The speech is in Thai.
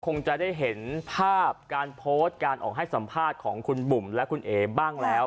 คงจะได้เห็นภาพการโพสต์การออกให้สัมภาษณ์ของคุณบุ๋มและคุณเอบ้างแล้ว